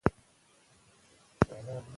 هغه وویل چې پښتو زما مورنۍ ژبه ده.